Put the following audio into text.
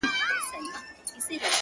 نو د وجود.